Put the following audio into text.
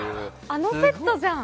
あのセットじゃん！